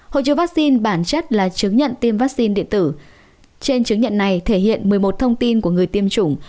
hội chứa vaccine bản chất là chứng nhận tiêm vaccine điện tử trên chứng nhận này thể hiện một mươi một thông tin của người tiêm chủng